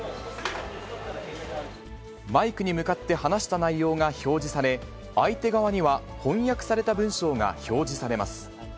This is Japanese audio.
マイクに向かって話した内容が表示され、相手側には翻訳された文章が表示されます。